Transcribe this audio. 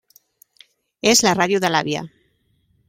És la ràdio de l'àvia.